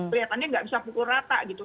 kelihatannya nggak bisa pukul rata gitu